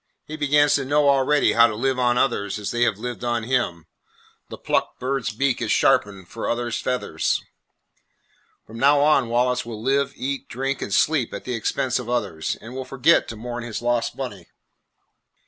He begins to know already how to live on others as they have lived on him. The plucked bird's beak is sharpened for other's feathers. From now on Wallace will live, eat, drink, and sleep at the expense of others, and will forget to mourn his lost money.